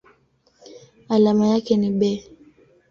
Alama yake ni Be.